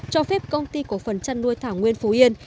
cho phép công ty cổ phần chăn nuôi thảo nguyên phú yên